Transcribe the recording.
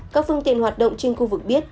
các phương tiện hoạt động trên khu vực biết